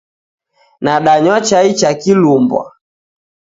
Nadanywa chai cha kilumbwa